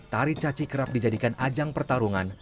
tari caci kerap dijadikan ajang pertarungan